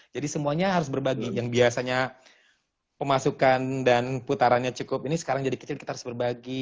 jadi semuanya harus berbagi yang biasanya pemasukan dan putarannya cukup ini sekarang jadi kecil kita harus berbagi